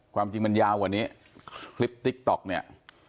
ความจริงมันยาวกว่านี้คลิปติ๊กต๊อกเนี่ย